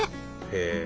へえ！